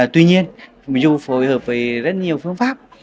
tuy nhiên mặc dù phối hợp với rất nhiều phương pháp